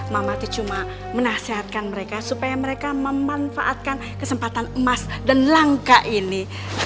mamati cuma menasehatkan mereka supaya mereka memanfaatkan kesempatan emas dan langka ini